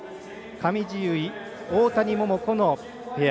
上地結衣、大谷桃子のペア。